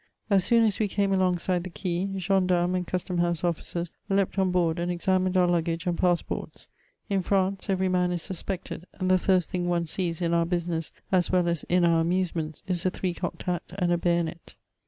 As soon as we came alongside the quay, gendarmes and custom house officers leaped on board and examined our luggage and pass ports. In France, eveiy man is suspected, and the tirst thing one sees in our business as well as in our amusements is a three cocked hat and a bayonet.